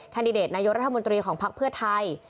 ดิเดตนายกรัฐมนตรีของภักดิ์เพื่อไทย